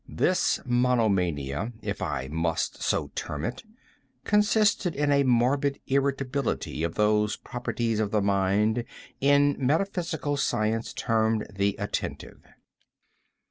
This monomania, if I must so term it, consisted in a morbid irritability of those properties of the mind in metaphysical science termed the attentive.